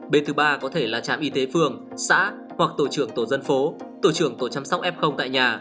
bên thứ ba có thể là trạm y tế phường xã hoặc tổ trưởng tổ dân phố tổ trưởng tổ chăm sóc f tại nhà